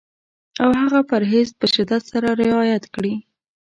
او هغه پرهېز په شدت سره رعایت کړي.